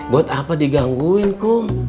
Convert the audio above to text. buat apa digangguin kum